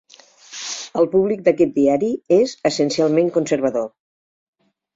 El públic d'aquest diari és essencialment conservador.